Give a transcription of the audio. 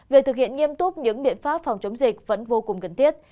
việc thực hiện nghiêm túc những biện pháp phòng chống dịch vẫn vô cùng cần thiết